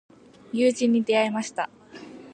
友人に出会いました。